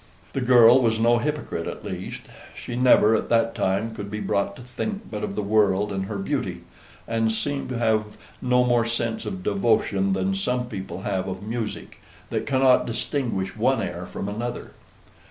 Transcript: The girl was no hypocrite at least. She never at that time could be brought to think but of the world and her beauty; and seemed to have no more sense of devotion than some people have of music, that cannot distinguish one air from another.